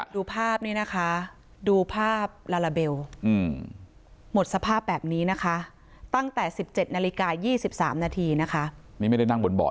ดูภาพนี้นะคะดูภาพลาลาเบลหมดสภาพแบบนี้นะคะตั้งแต่๑๗นาฬิกา๒๓นาทีนะคะ